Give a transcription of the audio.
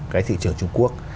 cái thị trường trung quốc